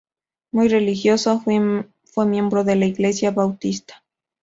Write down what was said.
Muy religioso, fue miembro de la iglesia Bautista.